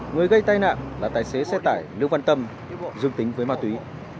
người gây tai nạn là tài xế xe tải nước văn tâm dung tính với ma túy